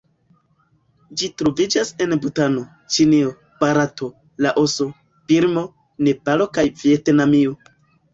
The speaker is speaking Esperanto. Ĝi troviĝas en Butano, Ĉinio, Barato, Laoso, Birmo, Nepalo kaj Vjetnamio.